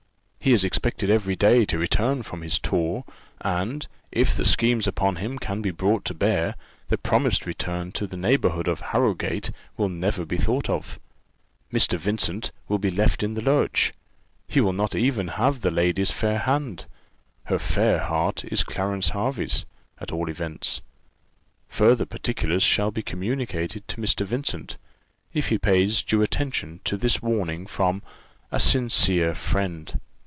He is expected every day to return from his tour; and, if the schemes upon him can be brought to bear, the promised return to the neighbourhood of Harrowgate will never be thought of. Mr. Vincent will be left in the lurch; he will not even have the lady's fair hand her fair heart is Clarence Hervey's, at all events. Further particulars shall be communicated to Mr. Vincent, if he pays due attention to this warning from "A SINCERE FRIEND."